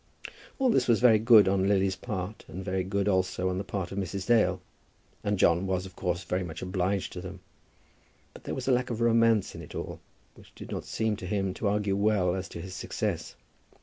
All this was very good on Lily's part, and very good also on the part of Mrs. Dale; and John was of course very much obliged to them. But there was a lack of romance in it all, which did not seem to him to argue well as to his success.